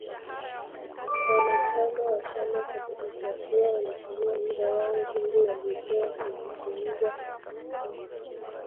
Wanachama wa chama cha Demokrasia walitumia muda wao mwingi waliopewa kuzungumza kwa